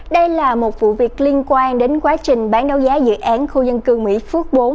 đây là một vụ việc liên quan đến quá trình bán đấu giá dự án khu dân cư mỹ phước bốn